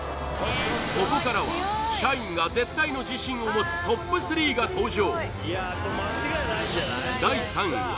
ここからは社員が絶対の自信を持つＴＯＰ３が登場！